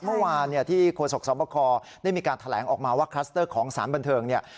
เมื่อวานที่โฆษกสอบคอได้มีการแถลงออกมาว่าคลัสเตอร์ของสารบันเทิงเนี่ย